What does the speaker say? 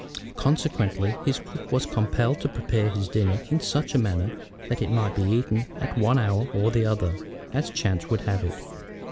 Consequently his cook was compelled to prepare his dinner in such a manner that it might be eaten at one hour or the other, as chance would have it.